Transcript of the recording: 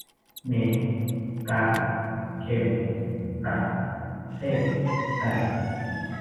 เมกาเคม ประเทศไทย